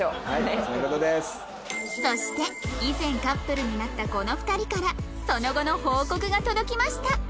そして以前カップルになったこの２人からその後の報告が届きました